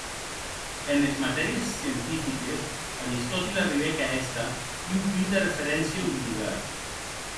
Enes matèries scientifiques, Aristotil arribèc a èster un punt de referéncia obligat.